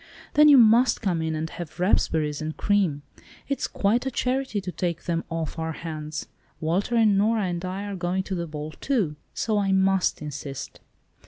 "Then you must come in and have raspberries and cream. It's quite a charity to take them off our hands. Walter and Nora and I are going to the ball too, so I must insist."